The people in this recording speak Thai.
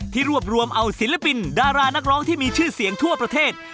รวบรวมเอาศิลปินดารานักร้องที่มีชื่อเสียงทั่วประเทศ